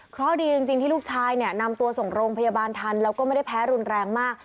เพราะดีจริงที่ลูกชายเนี่ยนำตัวส่งโรงพยาบาลทันแล้วก็ไม่ได้แพ้รุนแรงมาก